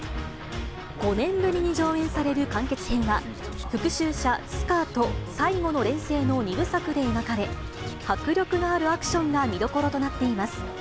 ５年ぶりに上映される完結編は、復讐者スカーと、最後の錬せいの２部作で描かれ、迫力のあるアクションが見どころとなっています。